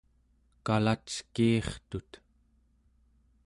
kalackiirtut